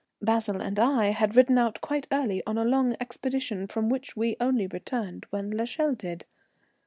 Basil and I had ridden out quite early on a long expedition, from which we only returned when l'Echelle did.